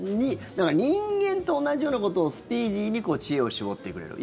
だから、人間と同じようなことをスピーディーに知恵を絞ってくれる。